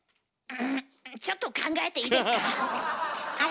んちょっと考えていいですか？